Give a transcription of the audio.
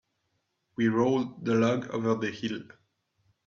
We rolled the log over the hill.